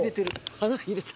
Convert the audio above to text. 鼻入れた。